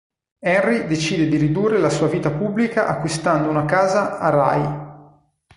Henry decide di ridurre la sua vita pubblica acquistando una casa a Rye.